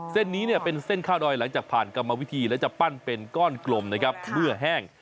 เส้นนี้เนี่ยเป็นเส้นข้าวดอยหลังจากผ่านกรรมวิธีแล้วจะปั้นเป็นก้อนกลมนะครับเมื่อแห้ง